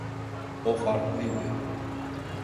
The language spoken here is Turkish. O farklıydı.